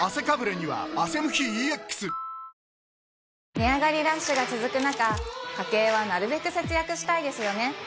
値上がりラッシュが続く中家計はなるべく節約したいですよね